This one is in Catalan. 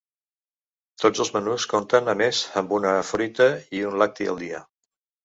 Tots els menús compten a més amb una fruita i un lacti al dia.